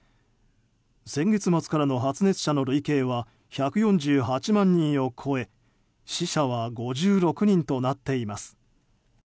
先月末からの発熱者の累計は１４８万人を超え死者は５６人となっています。